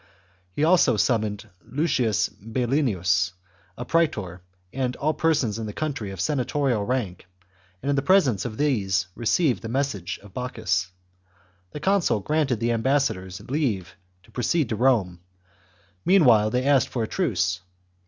He also summoned Lucius Belienus, a praetor, and all persons in the country of senatorial Tank, and in the presence of these received the 238 THE JUGURTHINE WAR. CHAP, message of Bocchus. The consul granted the am bassadors leave to proceed to Rome; meanwhile, they asked for a truce.